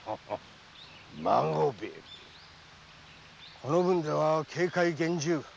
この分では警戒厳重。